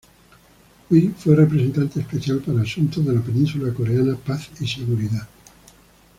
Wi fue Representante Especial para Asuntos de la Península Coreana Paz y Seguridad.